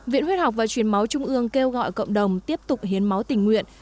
viện huyết học và truyền máu trung ương kêu gọi cộng đồng tiếp tục hiến máu tình nguyện